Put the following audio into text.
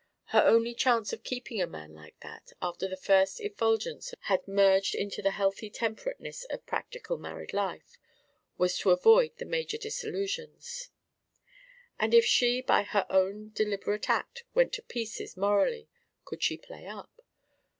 Her only chance of keeping a man like that, after the first effulgence had merged into the healthy temperateness of practical married life, was to avoid the major disillusions. And if she by her own deliberate act went to pieces morally, could she play up?